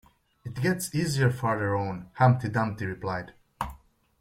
‘It gets easier further on,’ Humpty Dumpty replied.